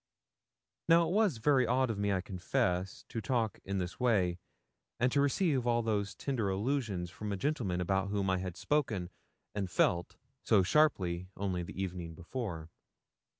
Now, it was very odd of me, I must confess, to talk in this way, and to receive all those tender allusions from a gentleman about whom I had spoken and felt so sharply only the evening before.